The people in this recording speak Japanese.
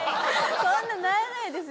そんなならないですよ。